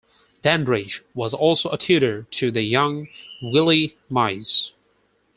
Dandridge was also a tutor to the young Willie Mays.